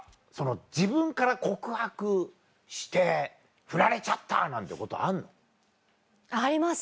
自分から告白してフラれちゃったなんてことあんの？あります。